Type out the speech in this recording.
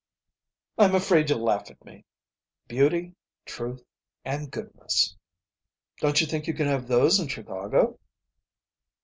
"I'm afraid you'll laugh at me. Beauty, truth, and goodness." "Don't you think you can have those in Chicago?"